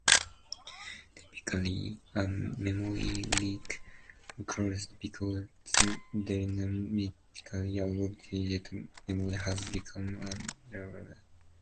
Typically, a memory leak occurs because dynamically allocated memory has become unreachable.